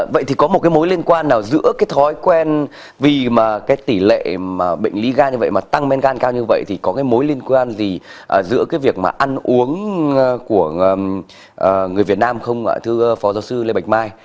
vậy thì có một cái mối liên quan nào giữa cái thói quen vì mà cái tỷ lệ bệnh lý ga như vậy mà tăng men gan cao như vậy thì có cái mối liên quan gì giữa cái việc mà ăn uống của người việt nam không ạ thưa phó giáo sư lê bạch mai